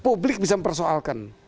publik bisa mempersoalkan